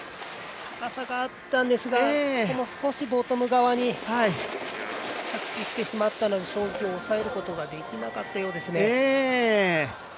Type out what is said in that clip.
高さがあったんですがここも少しボトム側に着地してしまったので衝撃を抑えることができなかったようですね。